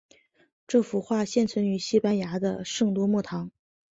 这幅画现存于西班牙的圣多默堂。